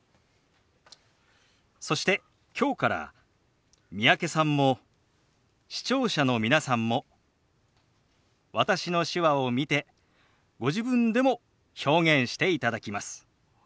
そしてきょうから三宅さんも視聴者の皆さんも私の手話を見てご自分でも表現していただきます。